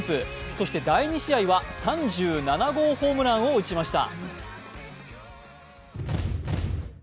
そして第２試合は３７号ホームランを打ちました。